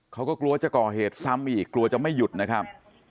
เขาก็กลัวจะก่อเหตุซ้ำอีกกลัวจะไม่หยุดนะครับ